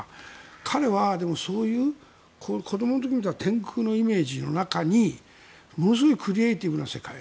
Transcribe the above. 彼はそういう子どもの時に見た天空のイメージの中にものすごいクリエーティブな世界。